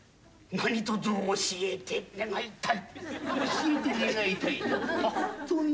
何とぞお教え願いたい。